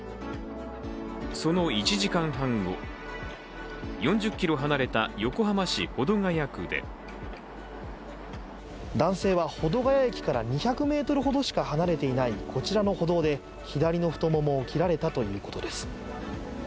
その１時間半後、４０ｋｍ離れた横浜市保土ケ谷区で男性は保土ケ谷駅から２００ｍほどしか離れていない、こちらの歩道で左の太ももを切られたということです。